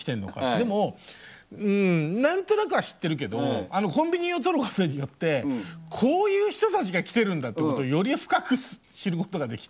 でもうん何となくは知ってるけどあのコンビニを撮ることによってこういう人たちが来てるんだということをより深く知ることができて。